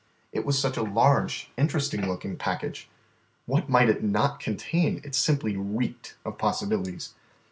It was such a large, interesting looking package. What might it not contain? It simply reeked of possibilities.